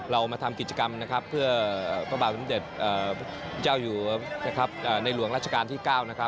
เรามาทำกิจกรรมนะครับเพื่อพระบาทสมเด็จเจ้าอยู่ในหลวงราชการที่๙